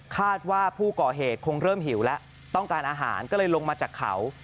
คาดว่าผู้ก่อเหตุคงเริ่มหิวแล้วต้องการอาหารก็เลยลงมาจากเขา